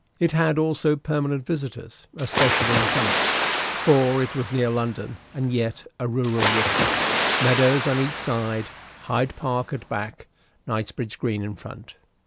It had also permanent visitors, especially in summer; for it was near London, and yet a rural retreat; meadows on each side, Hyde Park at back, Knightsbridge Green in front.